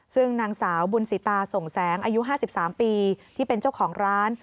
ซึ่งนางสาวบุญสิตาส่งแสงอายุ๕๓ปีที่เป็นเจ้าของร้าน